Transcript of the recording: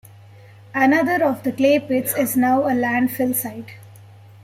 Another of the clay pits is now a landfill site.